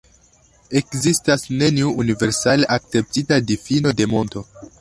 Ekzistas neniu universale akceptita difino de monto.